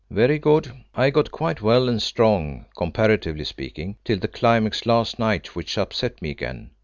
"Very good. I got quite well and strong, comparatively speaking, till the climax last night, which upset me again.